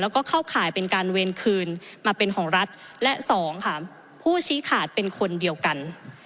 แล้วก็เข้าข่ายเป็นการเวรคืนมาเป็นของรัฐและสองค่ะผู้ชี้ขาดเป็นคนเดียวกัน